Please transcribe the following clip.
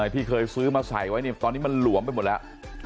ที่เคยซื้อมาใส่ไว้ตอนนี้มันหลวมไปหมดแล้ว